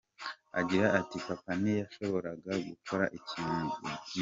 Agira ati “Papa ntiyashoboraga gukora ikintu igice.